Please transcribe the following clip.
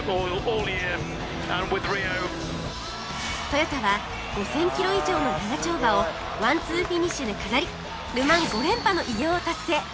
トヨタは５０００キロ以上の長丁場をワンツーフィニッシュで飾りル・マン５連覇の偉業を達成